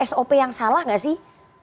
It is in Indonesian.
sop yang salah nggak sih